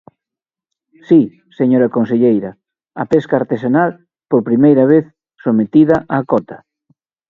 Si, señora conselleira, a pesca artesanal por primeira vez sometida a cota.